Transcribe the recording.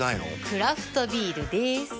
クラフトビールでーす。